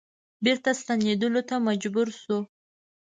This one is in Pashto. بیرته ستنیدلو ته مجبور شو.